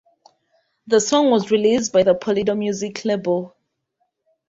The song was released by the Polydor music label.